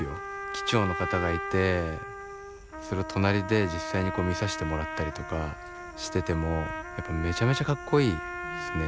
機長の方がいてそれを隣で実際に見さしてもらったりとかしててもやっぱめちゃめちゃかっこいいですね。